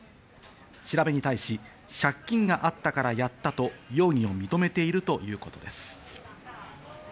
調べに対し、借金があったからやったと容疑を認めているということです。